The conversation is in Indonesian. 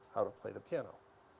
dan sampai hari ini